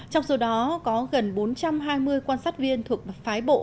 trong số đó có gần bốn trăm hai mươi quan sát viên thuộc phái bộ